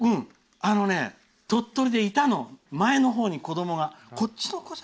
あのね、鳥取でいたの前のほうに子どもが。